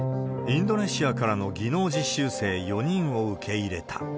インドネシアからの技能実習生４人を受け入れた。